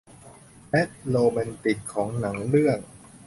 และโรแมนติกของหนังเรื่อง